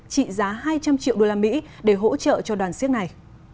trị giá hai trăm linh triệu đô la mỹ để hỗ trợ cho đoàn siếc này